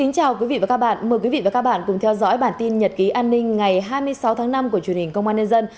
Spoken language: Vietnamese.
chào mừng quý vị đến với bản tin nhật ký an ninh ngày hai mươi sáu tháng năm của truyền hình công an nhân dân